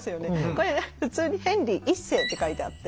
これ普通に「ヘンリー一世」って書いてあって。